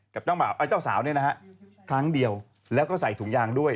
เจ้าสาวเนี่ยนะฮะครั้งเดียวแล้วก็ใส่ถุงยางด้วย